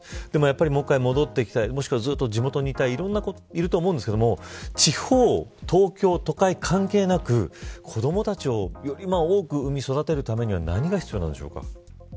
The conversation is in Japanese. もう１回、戻ってきたい地元にいたいという子がいると思うんですけど地方、東京、都会関係なく子どもたちをより多く生み育てるには何が必要なんでしょうか。